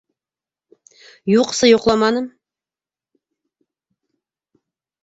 - Юҡсы, йоҡламаным...